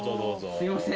すいません。